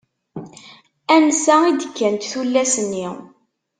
Ansa i d-kkant tullas-nni?